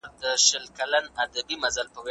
ایا په کلي کې خلک اوس هم کباب ته په ارمان دي؟